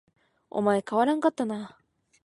お前変わらんかったな